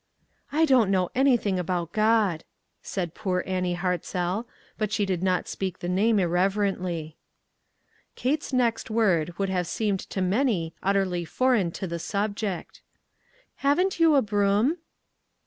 "I don't know anything about God," said poor Annie Hartzell ; but she did not speak the name irreverently. "WHAT is THE USE?" 199 Kate's next word would have seemed to the many utterly foreign to the subject. "Annie," she said, "haven't you a broom